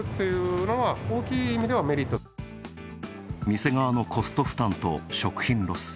店側のコスト負担と食品ロス。